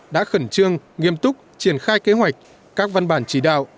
đã khẩn trương nghiêm túc triển khai kế hoạch các văn bản chỉ đạo